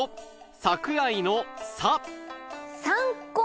櫻井の「さ」